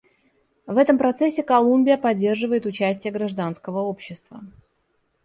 В этом процессе Колумбия поддерживает участие гражданского общества.